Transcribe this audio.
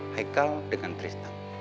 heikal dengan tristan